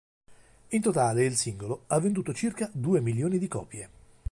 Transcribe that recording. In totale il singolo ha venduto circa due milioni di copie.